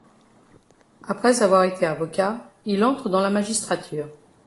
Après avoir été avocat, il entre dans la magistrature.